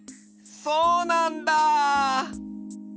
そうなんだ！